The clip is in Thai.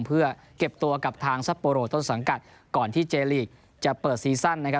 เพื่อเก็บตัวกับทางซัปโปโรต้นสังกัดก่อนที่เจลีกจะเปิดซีซั่นนะครับ